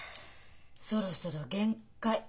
そろそろ限界。